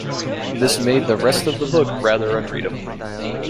This made the rest of the book rather unreadable.